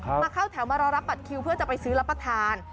มาเข้าแถวมารอรับบัตรคิวเพื่อจะไปซื้อรับประทาน